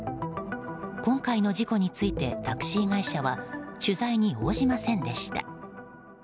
今回の事故についてタクシー会社は取材に応じませんでした。